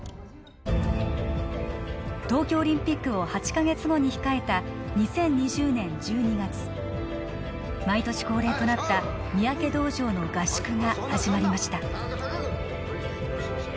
東京オリンピックを８か月後に控えた２０２０年１２月毎年恒例となった三宅道場の合宿が始まりました